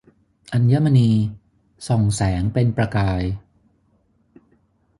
อัญมณีส่องแสงเป็นประกาย